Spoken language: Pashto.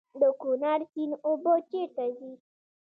د کونړ سیند اوبه چیرته ځي؟